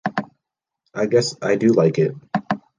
I guess I do like it!